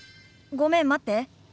ごめん待って。